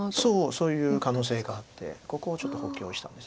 そういう可能性があってここをちょっと補強したんです。